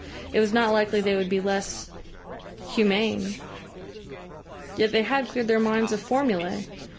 It was not likely they would be less humane. Yet they had cleared their minds of formulae!